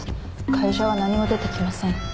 会社は何も出てきません。